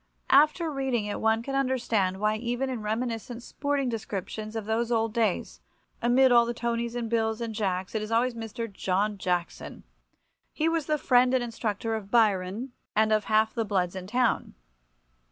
After reading it one can understand why even in reminiscent sporting descriptions of those old days, amid all the Tonis and Bills and Jacks, it is always Mr. John Jackson. He was the friend and instructor of Byron and of half the bloods in town.